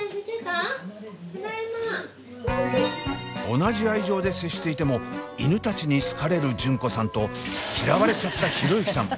同じ愛情で接していても犬たちに好かれる純子さんと嫌われちゃった博之さん。